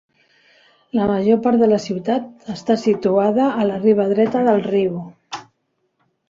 La major part de la ciutat està situada a la riba dreta del riu.